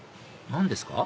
何ですか？